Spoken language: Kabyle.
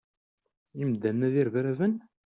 Imdanen-a d irebraben?